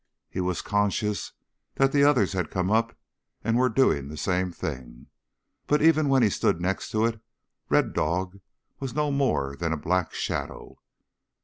He was conscious that the others had come up and were doing the same thing, but even when he stood next to it Red Dog was no more than a black shadow.